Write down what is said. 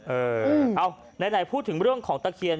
เออเอาไหนพูดถึงเรื่องของตะเคียน